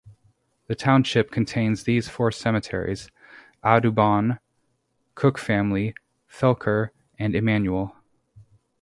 The township contains these four cemeteries: Audubon, Cook Family, Felker and Immanuel.